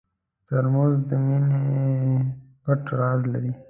ترموز د مینې پټ راز لري.